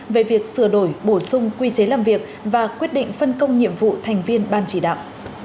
về việc sửa đổi bổ sung quy chế làm việc và quyết định phân công nhiệm vụ thành viên ban chỉ đạo